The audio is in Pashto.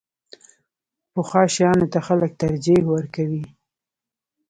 پخو شیانو ته خلک ترجیح ورکوي